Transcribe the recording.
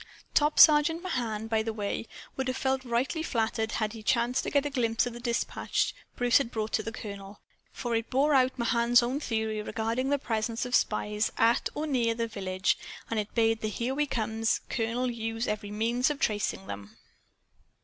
Top Sergeant Mahan, by the way, would have felt highly flattered had he chanced to get a glimpse of the dispatch Bruce had brought to the colonel. For it bore out Mahan's own theory regarding the presence of spies at or near the village, and it bade the "Here We Come" colonel use every means for tracing them.